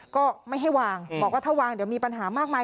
ก็ไม่ให้วางบอกว่าถ้าวางเดี๋ยวมีปัญหามากมาย